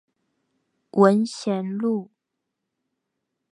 文賢路